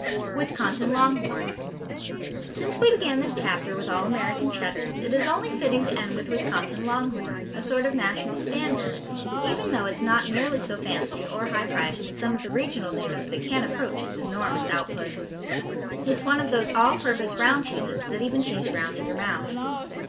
'" Wisconsin Longhorn Since we began this chapter with all American Cheddars, it is only fitting to end with Wisconsin Longhorn, a sort of national standard, even though it's not nearly so fancy or high priced as some of the regional natives that can't approach its enormous output. It's one of those all purpose round cheeses that even taste round in your mouth.